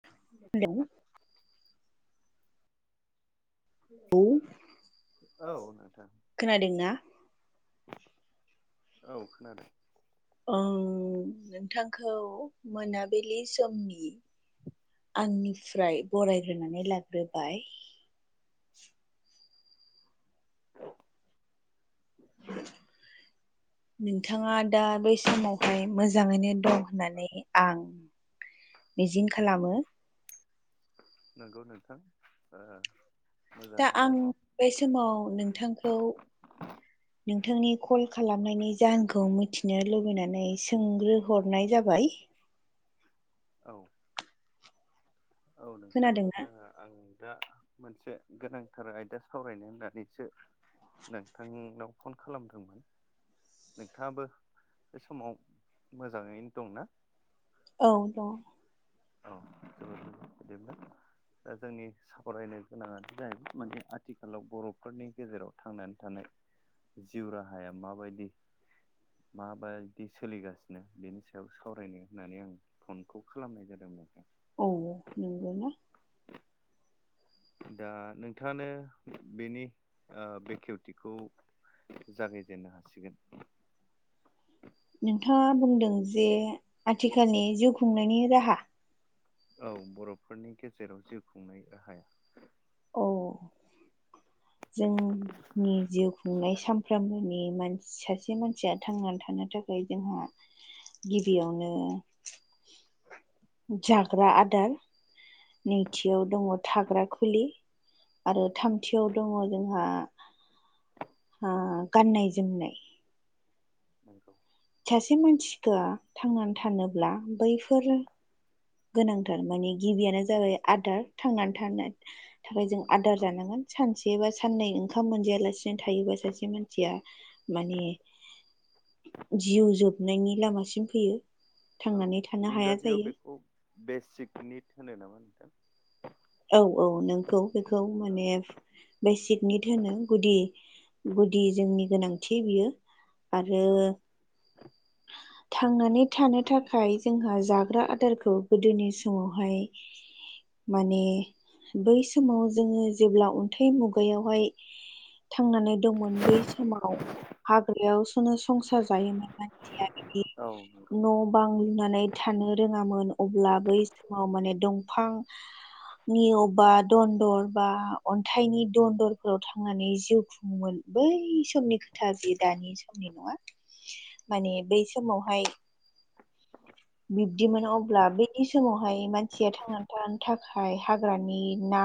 [inaudible] [unintelligible] औ औ नोंथां। खोनादोंना? औ खोनादों। औ नोंथांखौ मोनाबिलि समनि, आंनिफ्राय बरायग्रोनानै लाग्रोबाय। [unintelligible] [inaudible] नोंथाङा दा बे समावहाय मोजाङैनो दं होननानै आं मिजिं खालामो। नंगौ नोंथां ओ। दा मोजाङैनो दङ आं औ बे समाव नोंथांखौ। [unintelligible] नोंथांनि कल खालामनायनि जाहोनखौ मिथिनो लुबैनानै सोंग्रोहरनाय जाबाय। औ। औ नोंथां खोनादोंना ओ आं दा मोनसे गोनांथार आयदा सावरायनो होननानैसो नोंथांनाव फन खालामदोंमोन। नोंथाङाबो बे समाव मोजाङैनो दंना? औ दं। [unintelligible] दा जोंनि सावरायनो गोनाङानो जाहैबाय माने आथिखालाव बर'फोरनि गेजेराव थांनानै थानाय। जिउ राहाया माबायदि! माबायदि सोलिगासिनो बेनि सायाव सावरायनो होननानै आं फनखौ खालामनाय जादों। [unintelligible] औ औ नंगौ ना? दा नोंथाङानो बेनि ओ बेखेवथिखौ जागायजेननो हासिगोन। नोंथाङा बुंदों जे आथिखालनि जिउ खुंनायनि राहा औ बर'फोरनि गेजेराव जिउ खुंनाय राहाया औ जों। नि जिउ खुंनाय सानफ्रामबोनि मानसि सासे मानसिया थांनानै थानो थाखाय जोंहा गिबियावनो जाग्रा आदार, नैथियाव दङ थाग्रा खुलि। आरो थामथियाव दङ जोंहा ओ गाननाय जोमनाय। नोंगौ। सासे मानसिखा थांनानै थानोब्ला बैफोरो गोनांथार माने गिबियानो जाबाय आदार थांनानै थानो, थाबाय जों आदार औ जानांगोन सानसे, एबा साननै ओंखाम मोनजायालासेनो थायोबा सासे मानसिया माने, जिउ जोबनायनि लामासिम फैयो। औ थांनानै थानो हाया इंराजियाव जायो बेखौ बेसिकनिट होनो नामा नोंथां? औ औ नंगौ बेखौ औ माने बेसिकनिट होनो गुदि गुदि जोंनि गोनांथि बियो। आरो औ [inaudible] थांनानै थानो थाखाय जोंहा जाग्रा आदारखौ गोदोनि समावहाय माने बै समाव जोङो जेब्ला अन्थाइ मुगायावहाय थांनानै दंमोन बै समाव हाग्रायावसोनो संसार जायोमोन मानसिया बिदि। औ नंगौ न' बां लुनानै थानो रोङामोन अब्ला बै समाव माने दंफां नि अबेबा दन्दर बा अन्थाइनि दन्दरफोराव थांनानै जिउ खुङोमोन। बै समनि खोथा बे दानि समनि नङा। माने बै समावहाय बिब्दिमोन अब्ला बिनि समावहाय मानसिया थांनानै थानो थाखाय हाग्रानि ना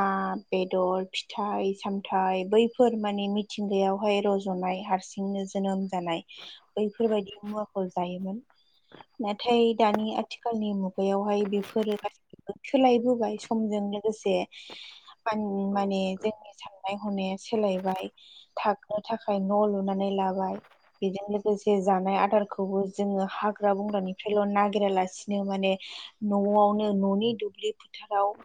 बेदर फिथाइ सामथाइ बैफोर माने मिथिंगायावहाय रज'नाय हारसिंनो जोनोम जानाय बैफोरबायदि मुवाखौ जायोमोन। नाथाय दानि आथिखालनि मुगायावहाय बेफोरो गासै सोलायबोबाय समजों लोगोसे मान औ माने नंगौ जोंनि सान नाय हनाया सोलायबाय थानो थाखाय न' लुनानै लाबाय। बेजों लोगोसे जानाय आदारखौबो जोङो हाग्रा बंग्रानिफ्रायल' नागिरालासिनो माने न'आवनो न'नि दुब्लि फोथाराव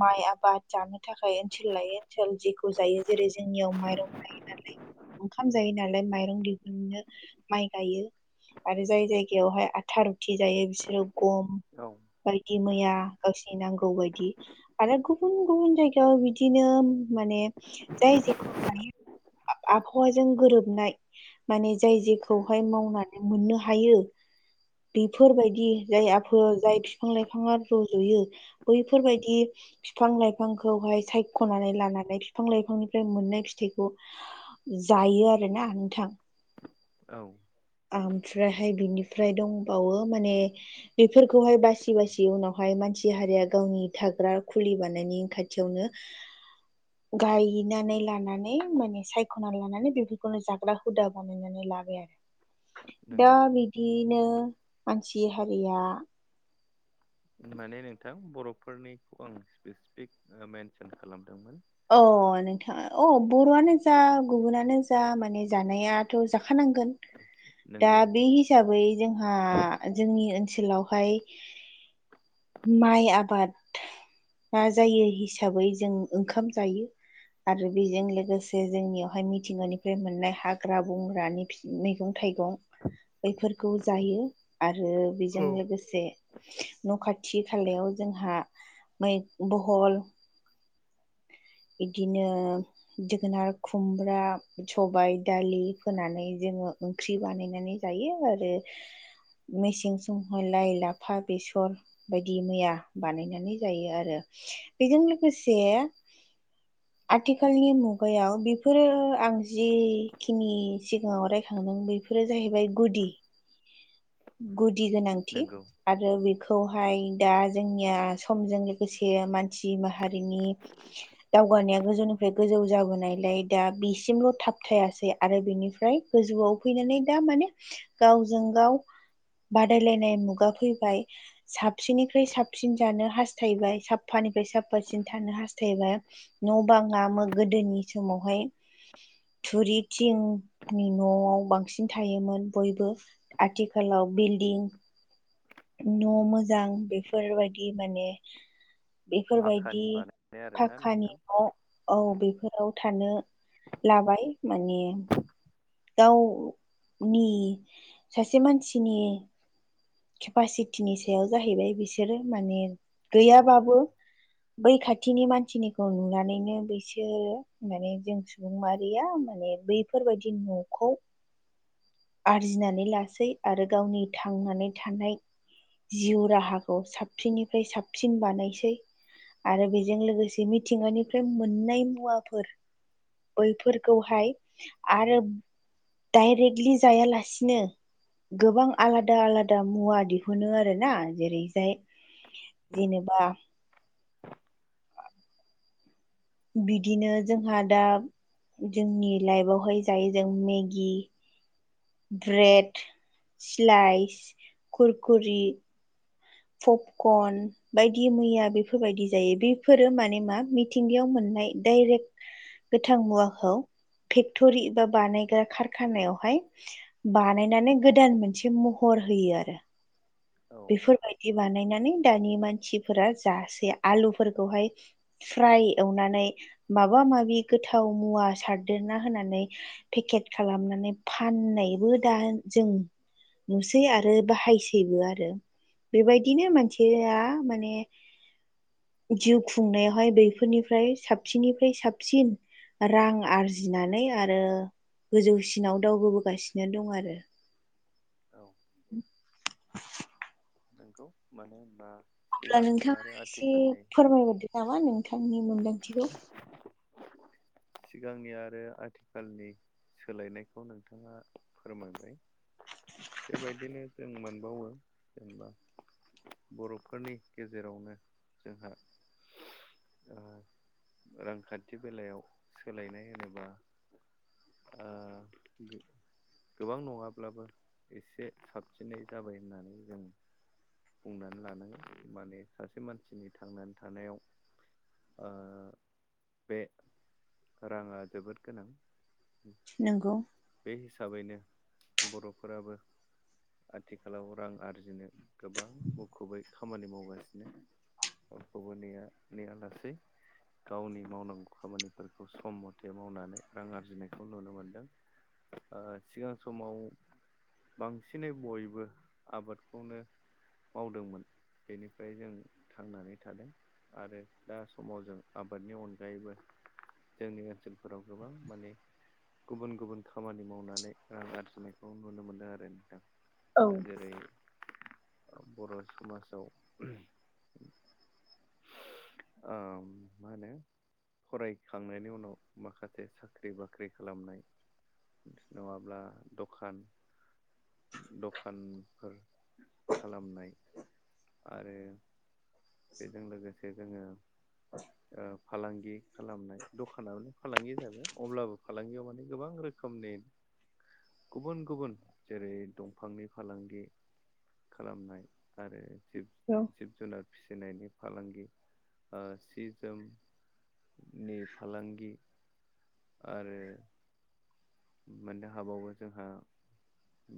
माइ आबाद जानो थाखाय ओनसोल लायै ओनसोल जेखौ जायो जेरै जोंनियाव माइरं जायो आरो ओंखाम जायो नालाय माइरं दिहुननो माइ गायो। आरो जाय जायगायावहाय आथा रुथि जायो बिसोरो गम औ। बायदि मैया गावसिनि नांगौ बायदि आरो गुबुन गुबुन जायगायाव बिदिनो माने जाय जेखौ हायो आ-आबहावाजों गोरोबनाय माने जाय जेखौहाय मावनानै मोननो हायो बेफोरबायदि जाय आफोर जाय बिफां लाइफाङा रज'यो बैफोरबायदि बिफां लाइफांखौहाय सायख'नानै लानानै बिफां लाइफांनिफ्राय मोननाय फिथाइखौ जायो आरोना नोंथां औ। ओमफ्रायहाय बिनिफ्राय दंबावो माने बेफोरखौहाय बासि बासि उनावहाय मानसि हारिया गावनि थाग्रा खुलि बानायनि [unintelligible] थिवनो गायनानै लानानै माने सायख'नानै लानानै बेफोरखौनो जाग्रा हुदा बानायनानै लाबाय आरो। दा नंगौ बिदिनो मानसि हारिया माने नोंथां बर'फोरनिखौ आं स्पेसिफिक मेनसन खालामदोंमोन। अ नोंथाङा अ बर'आनो जा गुबुनानो जा माने जानायाथ' जाखानांगोन। दा नंगौ बे हिसाबै जोंहा जोंनि ओनसोलावहाय माइ आबाद [unintelligible] जायो हिसाबै जों ओंखाम जायो आरो बिजों लोगोसे जोंनियावहाय मिथिंगानिफ्राय मोननाय हाग्रा बंग्रानि फि मैगं थाइगं बेफोरखौ जायो आरो बेजों लोगोस जे न' खाथि खालायाव जोंहा मै बहल बिदिनो जोगोनार खुमब्रा सबाय दालि फोनानै जोङो ओंख्रि बानायनानै जायो आरो मेसें [unintelligible] लाइ, लाफा, बेसर बायदि मैया बानायनानै जायो आरो बेजों लोगोसे आथिखालनि मुगायाव बेफोरो आं जिखिनि सिगाङाव रायखांदों बेफो बेफोरो जाहैबाय गुदि गुदि गोनांथि नंगौ आरो बेखौहाय दा जोंनिया समजों लोगोसे मानसि माहारिनि दावगानाया गोजौनिफ्राय गोजौ जाबोनायलाय दा बिसिमल' थाबथायासै आरो बेनिफ्राय गोजौआव फैनानै दा माने गावजों गाव बादायलायनाय मुगा फैबाय साबसिननिफ्राय साबसिन जानो हास्थायबाय साफानिफ्राय साफासिन थानो हास्थायबाय न' बाङामो गोदोनि समावहाय थुरि थिंनि न'आव बांसिन थायोमोन बयबो आथि खालाव बिल्डिं न' मोजां बेफोरबायदि माने बेफोरबायदि फाखानि बानायनाय आरोना फाखानि नोंथां न' औ बेफोराव थानो लाबाय माने दाउनि सासे मानसिनि केपासिटिनि सायाव जाहैबाय बिसोरो माने औ गैयाबाबो नंगौ बै खाथिनि मानसिनिखौ नुनानैनो बैसोरो माने जों सुबुं मारिया माने बै फोरबायदि न'खौ आरजिनानै लासै आरो गावनि थांनानै थानाय जिउ राहाखौ साबसिननिफ्राय साबसिन बानायसै आरो बेजों लोगोसे मिथिंगानिफ्राय मोननाय मुवाफोर बैफोरखौहाय आरो डाइरेक्टलि जायालासिनो गोबां आलादा आलादा मुवा दिहुनो आरो ना जेरैजाय जेनेबा बिदिनो जोंहा दा जोंनि लाइफआवहाय जायो जों मेगि ब्रेड, सलाइस, खुरखुरि पपकर्न बायदि मैया बेफोरबायदि जायो बेफोरो माने मा मिथिंगायाव मोननाय डाइरेक गोथां मुवाखौ फेक्टरि बा बानायग्रा खारखानायावहाय बानायनानै गोदान मोनसे महर होयो आरो औ बेफोरबायदि बानायनानै दानि मानसिफोरा जासै आलुफोरखौहाय फ्राय एवनानै माबा माबि गोथाव मुवा सारदेरना होनानै पेकेट खालामनानै फाननायबो दा जों नुसै आरो बाहायसैबो आरो बेबायदिनो मानसिया माने जिउ खुंनायावहाय बैफोरनिफ्राय साब सिननिफ्राय साबसिन रां आरजिनानै आरो गोजौसिनाव दावबोबोगासिनो दं आरो औ नोंगौ मानो होनबा अब्ला सिगांनि नोंथाङा आरो एसे आथिखालनि फोरमायहरदो नामा नोंथांनि मोनदांथिखौ। सिगांनि आरो आथिखालनि सोलायनायखौ नोंथाङा फोरमायबाय। बेबायदिनो जों मोनबावो जेनेबा बर'फोरनि गेजेरावनो जोंहा ओ रांखान्थि बेलायाव सोलायनाय होनोबा आ गोबां नङाब्लाबो एसे साबसिनै जाबाय होननानै जों बुंनानै लानांगौ माने सासे मानसिनि थांनानै थानायाव ओ बे राङा जोबोद गोनां। नोंगौ। बे हिसाबैनो बर'फोराबो आथिखालाव रां आरजिनो गोबां मुखुबै खामानि मावगासिनो बखौबो नेया नेया लासै। गावनि मावनांगौ खामानिफोरखौ सम मथे मावनानै रां आरजिनायखौ नुनो मोनदों। ओ सिगां समाव बांसिनै बयबो आबादखौनो। मावदोंमोन बेनिफ्राय जों थांनानै थादों। आरो दा समाव जों आबादनि अनगायैबो जोंनि ओनसोलफोराव गोबां माने गुबुन गुबुन खामानि मावनानै रां आरजिनायखौ नुनो मोनदों आरो औ नोंथां जेरै बर' समाजाव [unintelligible] ओ मा होनो फरायखांनायनि उनाव माखासे साख्रि बाख्रि खालामनाय। नङाब्ला दखान दखानफोर खालामनाय। आरो बेजों लोगोसे जोङो ओ फालांगि खालामनाय दखानाबानो फालांगि जाबाय अब्लाबो फालांगियाव माने गोबां रोखोमनि गुबुन गुबुन जेरै दंफांनि फालांगि। खालामनाय आरो जिब औ जिब जुनार। फिसिनायनि फालांगि ओ सि जोमनि फालांगि। आरो मोननो हाबावो जोंहा।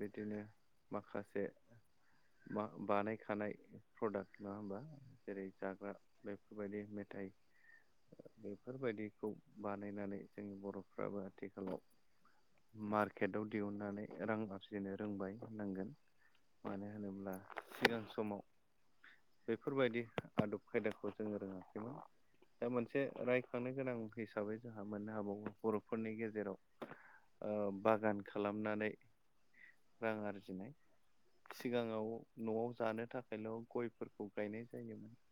बिदिनो माखासे मा बानायखानाय प्रडाक्ट नङा होमबा। जेरै जाग्रा बेफोरबायदि मेथाइ। बेफोरबायदिखौ बानायनानै जोंनि बर'फ्राबो आथिखालाव मार्केटाव दिहुननानै। रां आरजिनो रोंबाय होननांगोन मानो होनोब्ला सिगां समाव बेफोरबायदि आदब खायदाखौ जोङो रोङाखैमोन। दा मोनसे रायखांनो गोनां हिसाबै जोंहा मोननो हाबावो बर'फोरनि गेजेराव ओ बागान खालामनानै। रां आरजिनाय सिगाङाव न'आव जानो थाखायल' गयफोरखौ गायनाय जायोमोन।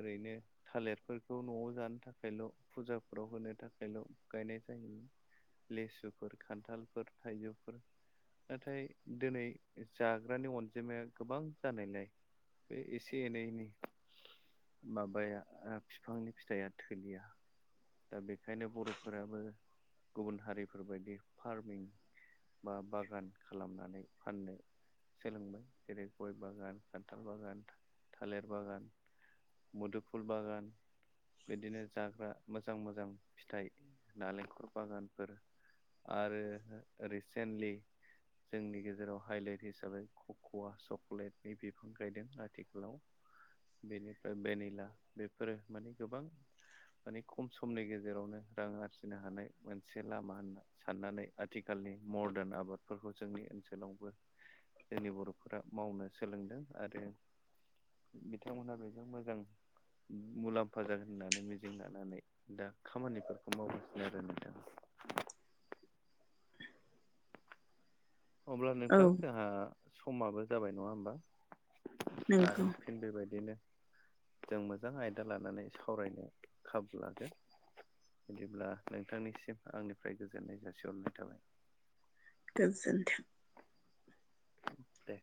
ओरैनो थालिरफोरखौ न'आव जानो थाखायल' फुजाफोराव होनो थाखायल' गायनाय जायोमोन। लेसुफोर खान्थालफोर थाइजौफोर नाथाय दिनै जाग्रानि अनजिमाया गोबां जानायलाय बे इसे एनैनि माबाया बिफांनि फिथाइया थोलिया। दा बेखायनो बर'फोराबो गुबुन हारिफोरबायदि फार्मिं बा बागान खालामनानै फाननो सोलोंबाय जेरै गय बागान खान्थाल बागान थालिर बागान। मुदुफुल बागान बिदिनो जाग्रा मोजां मोजां फिथाइ नालेंखर बागानफोर आरो रिसेन्टलि जोंनि गेजेराव हाइलाइट हिसाबै कक'वा चकलेटनि बिफां गायदों आथिखालाव। बेनिफ्राय भेनिला बेफोरो माने गोबां माने खम समनि गेजेरावनो रां आरजिनो हानाय मोनसे लामा होनना साननानै आथिखालनि मदारन आबादफोरखौ जोंनि ओनसोलावबो जोंनि बर'फोरा मावनो सोलोंदों आरो बिथांमोनहा बेजों मोजां मुलाम्फा जागोन होननानै लानानै दा खामानिफोरखौ मावगासिनो आरो नोंथां। अब्ला औ नोंथां जोंहा समाबो जाबाय नङा होमबा आरो नोंगौ फिन बेबायदिनो जों मोजां आयदा लानानै सावरायनो खाबु लागोन। बिदिब्ला नोंथांनिसिम आंनिफ्राय गोजोननाय जासिहरनाय थाबाय। गोजोन्थों। दे।